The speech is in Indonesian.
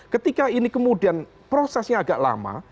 ketika ini kemudian prosesnya agak lama